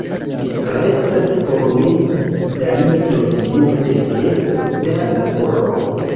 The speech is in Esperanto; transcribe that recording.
Restas por ni dalitoj multege da laboro.